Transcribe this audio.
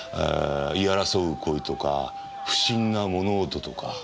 言い争う声とか不審な物音とか。